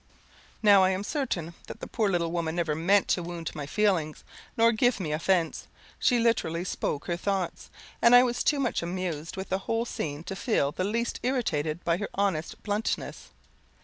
Now, I am certain that the poor little woman never meant to wound my feelings, nor give me offence. She literally spoke her thoughts, and I was too much amused with the whole scene to feel the least irritated by her honest bluntness.